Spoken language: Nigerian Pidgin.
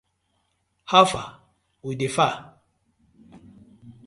How far wit di far?